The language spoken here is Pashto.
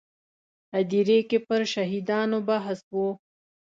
هدیرې کې پر شهیدانو بحث و.